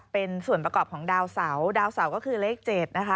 เป็นส่วนประกอบของดาวเสาดาวเสาก็คือเลข๗นะคะ